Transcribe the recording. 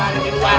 ya ada di depan